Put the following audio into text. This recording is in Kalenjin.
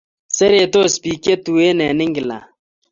Seretos pik che tuen en england